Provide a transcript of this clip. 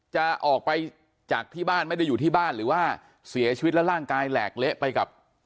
จะออกไปจากที่บ้านไม่ได้อยู่ที่บ้านหรือว่าเสียชีวิตแล้วร่างกายแหลกเละไปกับ